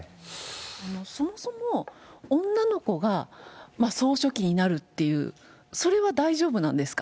そもそも、女の子が総書記になるっていう、それは大丈夫なんですか。